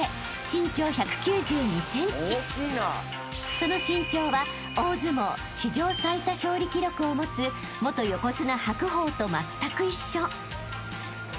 ［その身長は大相撲史上最多勝利記録を持つ元横綱白鵬とまったく一緒］